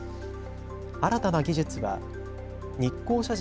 新たな技術は日光社寺